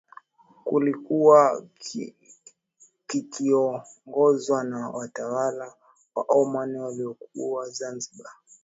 kilikuwa kikiongozwa na watawala wa Oman waliokuwa Zanzibar